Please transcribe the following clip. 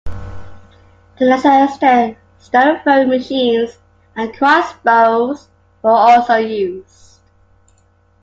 To a lesser extent, stone-throwing machines and crossbows were also used.